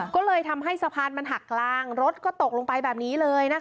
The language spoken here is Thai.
ก็เลยทำให้สะพานมันหักกลางรถก็ตกลงไปแบบนี้เลยนะคะ